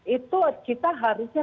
itu kita harusnya